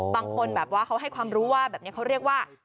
บางคนแบบว่าเขาให้ความรู้ว่าแบบนี้เขาเรียกว่า